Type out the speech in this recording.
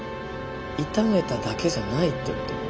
炒めただけじゃないってこと？